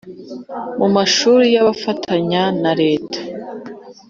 mu mashuri y abafatanya na Leta